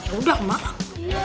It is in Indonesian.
ya udah mak